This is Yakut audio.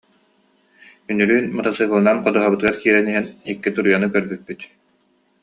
Үнүрүүн матасыыкылынан ходуһабытыгар киирэн иһэн икки туруйаны көрбүппүт